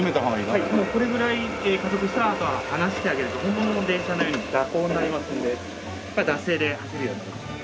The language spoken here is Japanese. はいもうこれぐらい加速したらあとは放してあげると本物の電車のように惰行になりますので惰性で走るようになりますので。